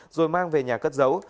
rồi mang về nhà cất giấu